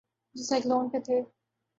جو سائیکلوں پہ تھے۔